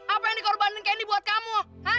apa yang dikorbanin kendi buat kamu